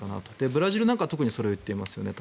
ブラジルなんかは特にそれを言っていますよね。